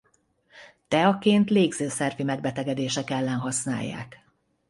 Teaként légzőszervi megbetegedések ellen használják.